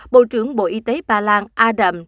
bộ trưởng bộ y tế bà lan adam